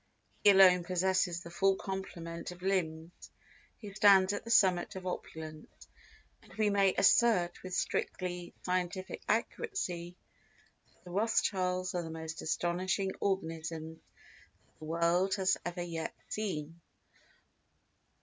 He alone possesses the full complement of limbs who stands at the summit of opulence, and we may assert with strictly scientific accuracy that the Rothschilds are the most astonishing organisms that the world has ever yet seen.